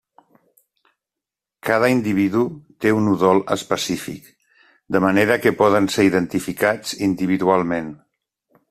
Cada individu té un udol específic, de manera que poden ser identificats individualment.